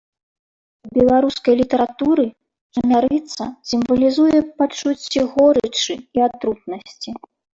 У беларускай літаратуры чамярыца сімвалізуе пачуцці горычы і атрутнасці.